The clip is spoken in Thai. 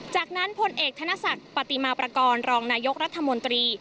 จากนั้นพลเอกธนศักดิ์ปฏิมาประกอบรองนายกรัฐมนตรี